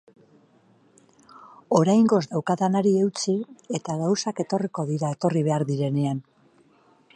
Oraingoz daukadanari eutsi, eta gauzak etorriko dira etorri behar direnean.